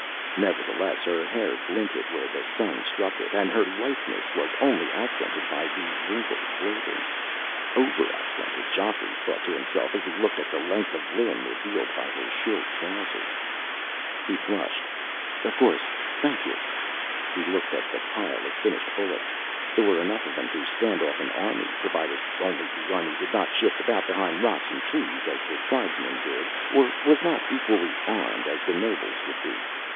Nevertheless, her hair glinted where the sun struck it, and her litheness was only accented by the wrinkled clothing. Over accented, Geoffrey thought to himself as he looked at the length of limb revealed by her short trousers. He flushed. "Of course. Thank you." He looked at the pile of finished bullets. There were enough of them to stand off an army, provided only the army did not shift about behind rocks and trees as the tribesmen did, or was not equally armed, as the nobles would be.